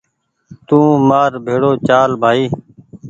تو مآر بهڙو چال بهائي